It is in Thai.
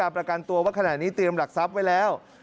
ประกันตัวว่าขณะนี้เตรียมหลักทรัพย์ไว้แล้ว